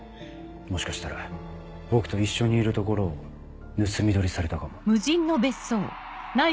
もしかしたら僕と一緒にいるところを盗み撮りされたかも。